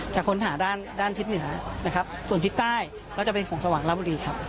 จะค้นหาด้านด้านทิศเหนือนะครับส่วนทิศใต้ก็จะเป็นของสว่างลบุรีครับ